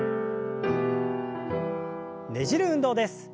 ねじる運動です。